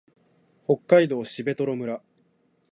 北海道蘂取村